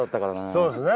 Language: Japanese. そうですね。